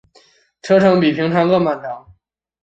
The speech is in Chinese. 车程比平常更漫长